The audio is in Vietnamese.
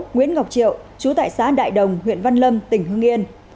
nguyễn ngọc triệu chú tại xã đại đồng huyện văn lâm tỉnh hương yên